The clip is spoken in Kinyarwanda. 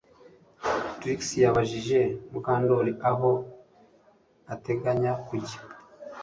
Trix yabajije Mukandoli aho ateganya kujya